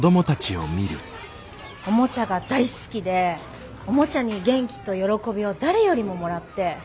おもちゃが大好きでおもちゃに元気と喜びを誰よりももらって。